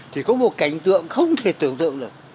thì có một cảnh tượng không thể tưởng tượng được